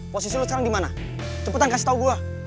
posisi lo sekarang dimana cepetan kasih tau gua